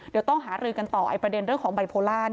เดี๋ยวต้องหารือกันต่อประเด็นเรื่องของไบโพล่า